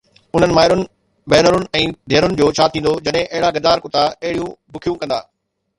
انهن مائرن، ڀينرن ۽ ڌيئرن جو ڇا ٿيندو جڏهن اهڙا غدار ڪتا اهڙيون بکيون ڪندا